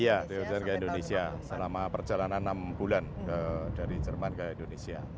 iya berlayar dari jerman ke indonesia selama perjalanan enam bulan dari jerman ke indonesia